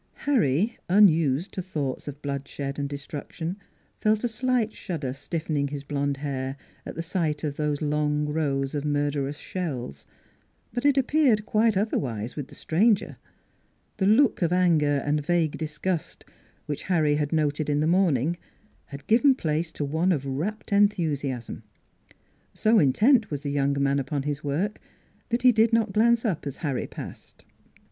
Harry, unused to thoughts of bloodshed and destruction, felt a slight shudder stiffening his blond hair at sight of those long rows of mur derous shells; but it appeared quite otherwise with the stranger: the look of anger and vague disgust, which Harry had noted in the morning, NEIGHBORS 245 had given place to one of rapt enthusiasm. So intent was the young man upon his work that he did not glance up as Harry passed.